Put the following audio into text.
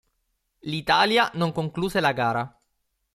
L'Italia non concluse la gara.